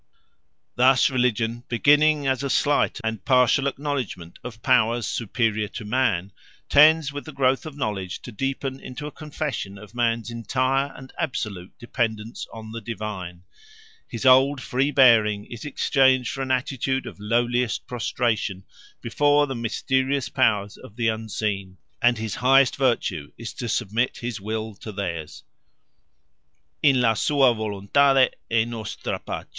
Thus religion, beginning as a slight and partial acknowledgment of powers superior to man, tends with the growth of knowledge to deepen into a confession of man's entire and absolute dependence on the divine; his old free bearing is exchanged for an attitude of lowliest prostration before the mysterious powers of the unseen, and his highest virtue is to submit his will to theirs: _In la sua volontade è nostra pace.